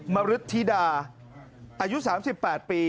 มรุษธิดาอายุ๓๘ปี